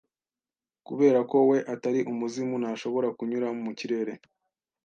Kubera ko we atari umuzimu ntashobora kunyura mu kirere